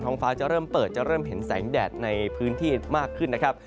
ฟ้าจะเริ่มเปิดจะเริ่มเห็นแสงแดดในพื้นที่มากขึ้นนะครับ